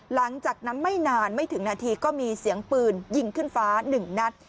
หลังจากนั้นไม่นานไม่ถึงนาทีก็มีเสียงปืนยิงขึ้นฟ้า๑นัด